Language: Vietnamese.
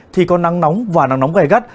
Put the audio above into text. thì có nắng nóng và nắng nóng gầy gắt